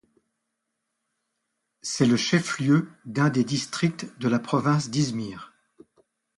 C’est le chef-lieu d’un des districts de la province d’İzmir.